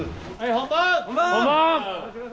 ・本番！